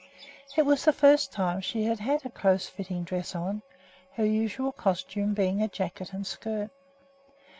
It was the first time she had had a close fitting dress on, her usual costume being a jacket and skirt.